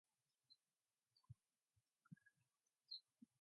After he hit the pavement, the jeep bounced and crashed down on Powell's midsection.